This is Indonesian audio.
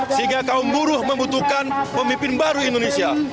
sehingga kaum buruh membutuhkan pemimpin baru indonesia